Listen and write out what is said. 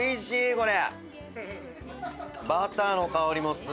これ。